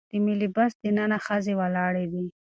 د ملي بس دننه ښځې ولاړې دي.